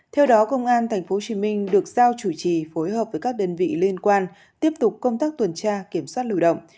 theo đó công an tp hcm được giao chủ trì phối hợp với các đơn vị liên quan tiếp tục công tác tuần tra kiểm soát lưu động